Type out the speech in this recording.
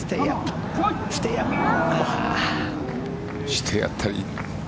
してやったり。